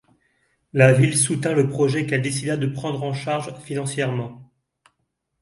La ville soutint le projet qu'elle décida de prendre en charge financièrement.